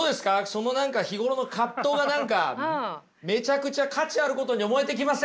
その何か日頃の葛藤が何かめちゃくちゃ価値あることに思えてきません？